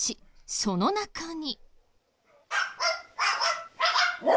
その中に。